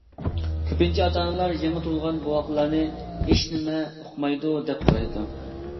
كۆپىنچە ئاتا-ئانىلار يېڭى تۇغۇلغان بوۋاقلارنى ھېچنېمە ئۇقمايدۇ، دەپ قارايدۇ.